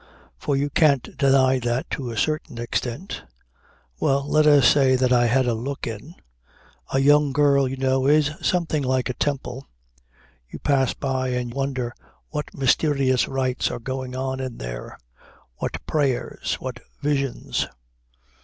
. For you can't deny that to a certain extent ... Well let us say that I had a look in ... A young girl, you know, is something like a temple. You pass by and wonder what mysterious rites are going on in there, what prayers, what visions?